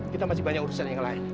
kita masih banyak urusan yang lain